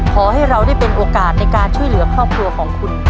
ขอให้เราได้เป็นโอกาสในการช่วยเหลือครอบครัวของคุณ